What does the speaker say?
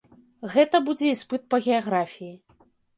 Гэта будзе іспыт па геаграфіі.